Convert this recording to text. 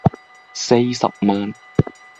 四十萬